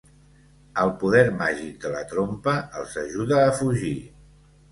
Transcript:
El poder màgic de la trompa els ajuda a fugir.